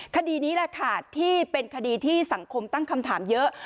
คดีนี้แหละค่ะที่เป็นคดีที่สังคมตั้งคำถามเยอะ